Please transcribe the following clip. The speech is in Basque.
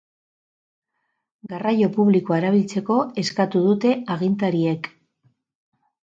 Garraio publikoa erabiltzeko eskatu dute agintariek.